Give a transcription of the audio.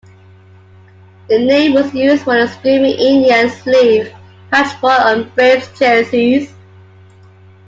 The name was used for the "screaming Indian" sleeve patch worn on Braves jerseys.